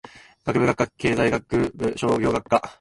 学部・学科経済学部商業学科